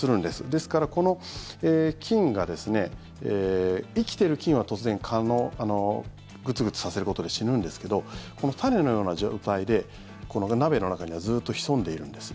ですから、この菌が生きてる菌は当然グツグツさせることで死ぬんですけどこの種のような状態でこの鍋の中にはずっと潜んでいるんです。